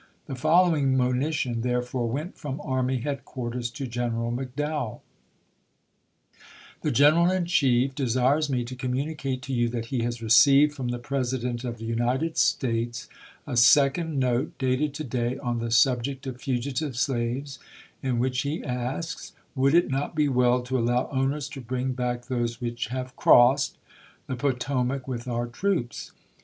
The following monition, therefore, went from army headquarters to General McDowell: The General in Chief desires me to communicate to you that he has received from the President of the United States a second note, dated to day, on the subject of fu gitive slaves, in which he asks :'' Would it not be well to allow owners to bring back those which have crossed " the Potomac with our troops